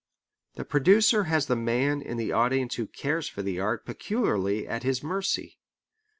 The producer has the man in the audience who cares for the art peculiarly at his mercy.